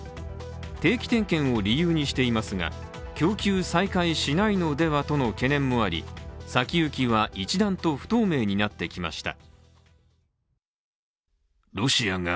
定期点検を理由にしていますが供給再開しないのではとの懸念もあり先行きは一段と不透明になってきました。